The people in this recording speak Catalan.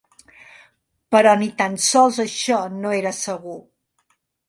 Però ni tan sols això no era segur